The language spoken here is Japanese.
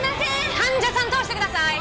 患者さん通してください！